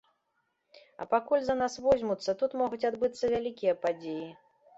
А пакуль за нас возьмуцца, тут могуць адбыцца вялікія падзеі.